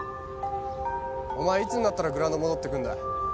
お前いつになったらグラウンド戻ってくんだよ？